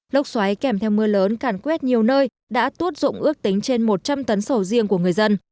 lốc xoáy kèm theo mưa lớn càn quét nhiều nơi đã tuốt dụng ước tính trên một trăm linh tấn sầu riêng của người dân